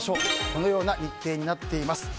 このような日程になっています。